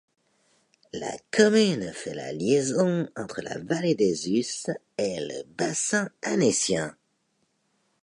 La commune fait la liaison entre la vallée des Usses et le bassin annécien.